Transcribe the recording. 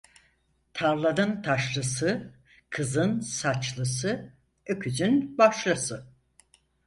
Tarlanın taşlısı, kızın saçlısı, öküzün başlısı.